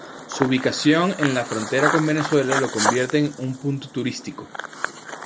Su ubicación en la frontera con Venezuela lo convierte en un punto turístico.